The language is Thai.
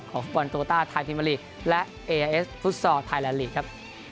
ของฟุตบอลโต้ต้าไทยพิมรีและไทยราลีครับ